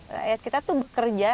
rakyat kita tuh bekerja